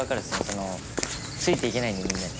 そのついていけないんでみんなに。